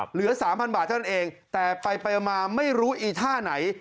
เหลือ๓๐๐บาทเท่านั้นเองแต่ไปมาไม่รู้อีท่าไหน